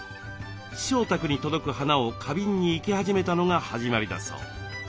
師匠宅に届く花を花瓶に生け始めたのが始まりだそう。